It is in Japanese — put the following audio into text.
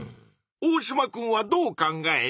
オオシマくんはどう考える？